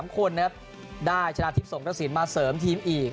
๒๓คนได้ชนะที่ส่งคศิลป์มาเสริมทีมอีก